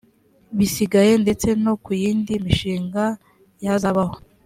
bisigaye ndetse no ku yindi mishinga yazabaho